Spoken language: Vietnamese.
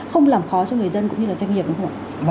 không làm khó cho người dân cũng như doanh nghiệp